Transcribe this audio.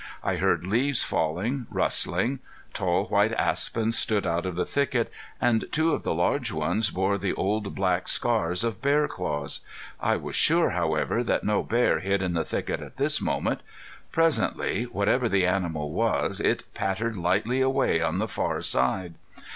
I heard leaves falling, rustling. Tall white aspens stood out of the thicket, and two of the large ones bore the old black scars of bear claws. I was sure, however, that no bear hid in the thicket at this moment. Presently whatever the animal was it pattered lightly away on the far side.